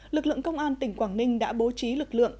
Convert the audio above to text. lực lượng công an tỉnh quảng ninh đã bố trí lực lượng